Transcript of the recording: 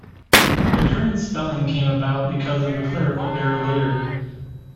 The current spelling came about because of a clerical error later.